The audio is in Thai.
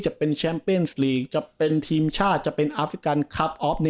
จะเป็นจะเป็นจะเป็นจะเป็นจบ